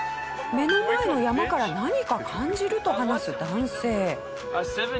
目の前の山から何か感じると話す男性。